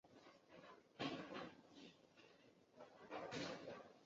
附有夜视瞄准镜导轨的型号。